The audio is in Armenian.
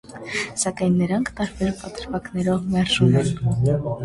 Սակայն նրանք տարբեր պատրվակներով մերժում են։